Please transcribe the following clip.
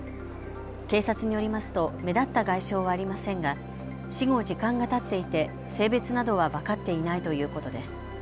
警察によりますと目立った外傷はありませんが死後時間がたっていて性別などは分かっていないということです。